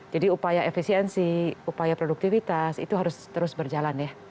jadi upaya efisiensi upaya produktivitas itu harus terus berjalan ya